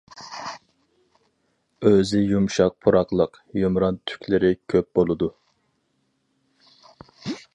ئۆزى يۇمشاق پۇراقلىق، يۇمران تۈكلىرى كۆپ بولىدۇ.